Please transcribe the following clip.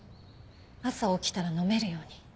朝起きたら飲めるように。